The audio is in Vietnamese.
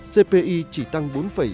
cpi chỉ tăng bốn bảy